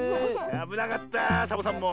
あぶなかったサボさんも。